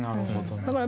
なるほど。